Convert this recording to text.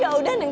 ya udah neng